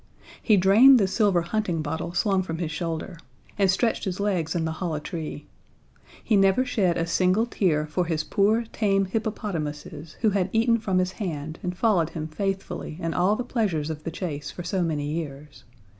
He drained the silver hunting bottle slung from his shoulder, and stretched his legs in the hollow tree. He never shed a single tear for his poor tame hippopotamuses who had eaten from his hand and followed him faithfully in all the pleasures of the chase for so many years.